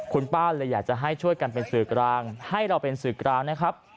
คุณป้าเลยอยากจะให้ช่วยกันเป็นสื่อกลางให้เราเป็นสื่อกลางนะครับ